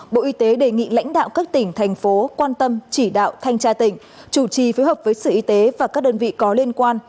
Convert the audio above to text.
bộ y tế đề nghị lãnh đạo các tỉnh thành phố quan tâm chỉ đạo thanh tra tỉnh chủ trì phối hợp với sở y tế và các đơn vị có liên quan